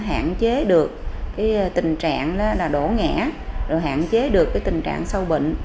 hạn chế được cái tình trạng là đổ ngã rồi hạn chế được cái tình trạng sâu bệnh